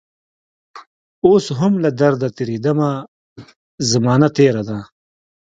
اوس هم له درده تیریدمه زمانه تیره ده